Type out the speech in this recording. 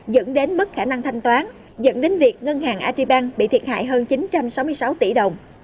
dẫn đến mất khả năng thanh toán dẫn đến việc ngân hàng ariban bị thiệt hại hơn chín trăm sáu mươi sáu tỷ đồng